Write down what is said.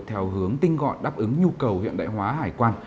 theo hướng tinh gọn đáp ứng nhu cầu hiện đại hóa hải quan